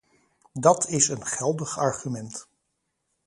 Dat is een geldig argument.